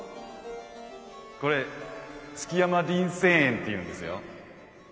これ築山林泉園っていうんですよ。